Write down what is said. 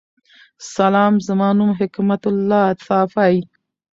سلام زما نوم حکمت الله صافی